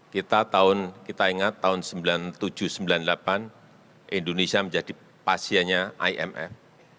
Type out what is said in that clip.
kita ingat tahun sembilan puluh tujuh sembilan puluh delapan indonesia menjadi pasiennya imf